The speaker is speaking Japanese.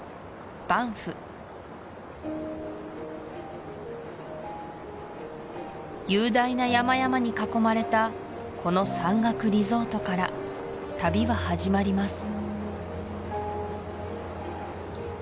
バンフ雄大な山々に囲まれたこの山岳リゾートから旅は始まります